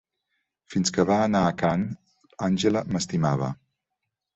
Fins que va anar a Cannes, Angela m'estimava.